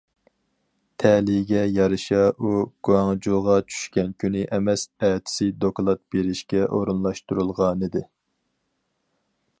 تەلىيىگە يارىشا، ئۇ گۇاڭجۇغا چۈشكەن كۈنى ئەمەس، ئەتىسى دوكلات بېرىشكە ئورۇنلاشتۇرۇلغانىدى.